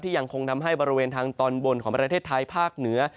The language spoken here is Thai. ยังคงทำให้บริเวณทางตอนบนของประเทศไทยภาคเหนือ